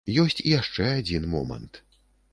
Ёсць яшчэ адзін момант.